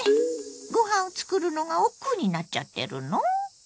ご飯を作るのがおっくうになっちゃってるの？